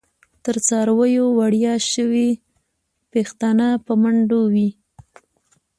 تر څارویو وړیاشوی، پیښتنه په منډوی کی